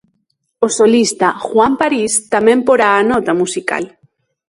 O solista Juan París tamén porá a nota musical.